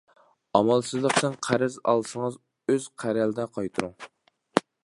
ئامالسىزلىقتىن قەرز ئالسىڭىز ئۆز قەرەلدە قايتۇرۇڭ.